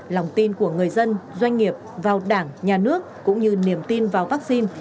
lòng tin của người dân doanh nghiệp vào đảng nhà nước cũng như niềm tin vào vaccine